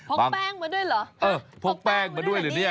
กแป้งมาด้วยเหรอเออพกแป้งมาด้วยเหรอเนี่ย